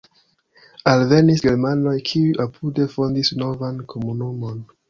Alvenis germanoj, kiuj apude fondis novan komunumon.